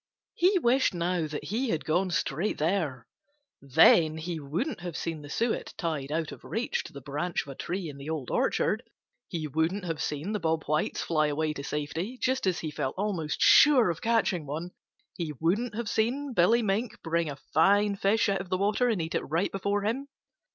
He wished now that he had gone straight there. Then he wouldn't have seen the suet tied out of reach to the branch of a tree in the Old Orchard; he wouldn't have seen the Bob Whites fly away to safety just as he felt almost sure of catching one; he wouldn't have seen Billy Mink bring a fine fish out of the water and eat it right before him.